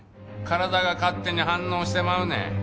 体が勝手に反応してまうねん。